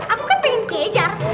aku kan pengen kejar